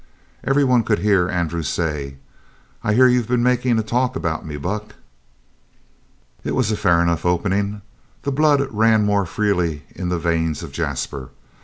Every one could hear Andrew say: "I hear you've been making a talk about me, Buck?" It was a fair enough opening. The blood ran more freely in the veins of Jasper.